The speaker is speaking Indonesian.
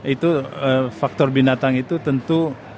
itu faktor binatang itu tentu